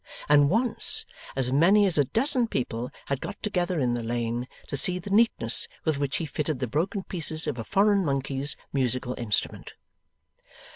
And once as many as a dozen people had got together in the lane to see the neatness with which he fitted the broken pieces of a foreign monkey's musical instrument.